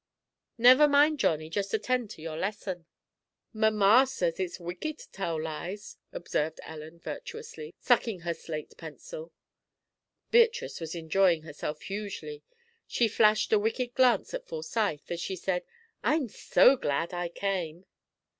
"Never mind, Johnny; just attend to your lesson." "Mamma says it's wicked to tell lies," observed Ellen, virtuously, sucking her slate pencil. Beatrice was enjoying herself hugely. She flashed a wicked glance at Forsyth as she said, "I'm so glad I came!"